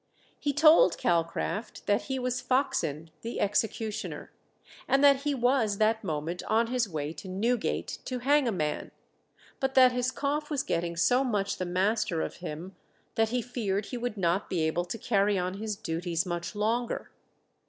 He told Calcraft that he was Foxen the executioner, and that he was that moment on his way to Newgate to hang a man, but that his cough was getting so much the master of him that he feared he would not be able to carry on his duties much longer.